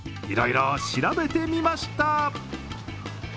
いろいろ調べてみました。